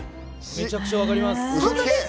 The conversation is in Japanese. めちゃくちゃ分かります。